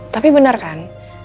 tapi bener kan